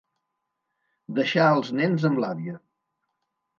Deixar els nens amb l'àvia.